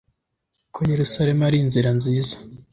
ko yerusaremu ari inzira nziza